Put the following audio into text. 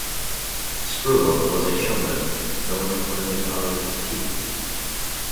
Spruill was a showman, known for playing guitar with his teeth.